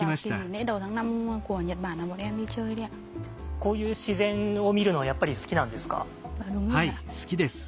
こういう自然を見るのはやっぱり好きなんですか？